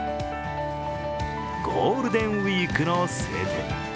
ゴールデンウイークの晴天。